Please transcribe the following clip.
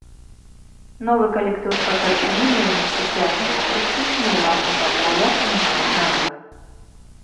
Новы калектыў спачатку не меў ні спецыяльнай вопраткі, ні ўласнага поля, ні нават назвы.